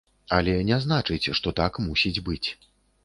Але не значыць, што так мусіць быць.